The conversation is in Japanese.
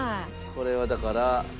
これはだから。